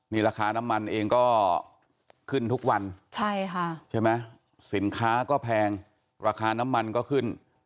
นี่ราคาน้ำมันเองก็ขึ้นทุกวันใช่ไหมสินค้าก็แพงราคาน้ำมันก็ขึ้น